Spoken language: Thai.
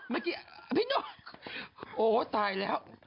เมื่อกี้พี่หนุ่มโอ้ตายแล้ว